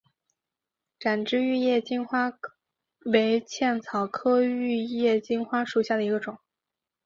展枝玉叶金花为茜草科玉叶金花属下的一个种。